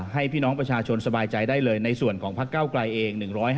ให้พี่น้องประชาชนสบายใจได้เลยในส่วนของพักเก้าไกลเอง